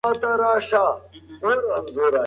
دا ژوند یوازې د شکر یو فاني انځور دی.